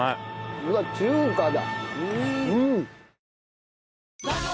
うわっ中華だ。